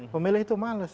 pemilih itu males